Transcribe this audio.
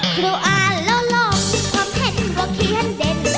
ครูอ่านแล้วลงความเห็นก็เขียนเด็ด